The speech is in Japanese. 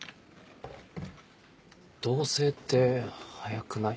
同棲って早くない？